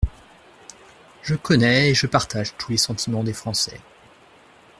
Je connais et je partage tous les sentimens des Français.